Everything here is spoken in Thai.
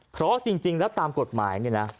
เพราะจริงแล้วตามกฎหมายเนี่ยนะ